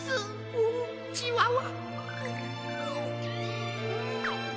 おおチワワ！